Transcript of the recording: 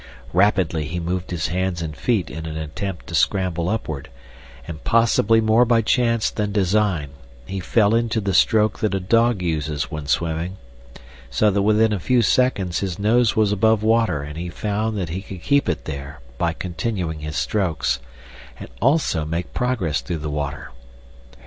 Rapidly he moved his hands and feet in an attempt to scramble upward, and, possibly more by chance than design, he fell into the stroke that a dog uses when swimming, so that within a few seconds his nose was above water and he found that he could keep it there by continuing his strokes, and also make progress through the water.